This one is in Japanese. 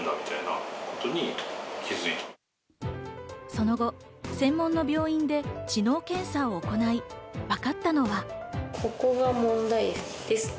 その後、専門の病院で知能検査を行い、わかったのは。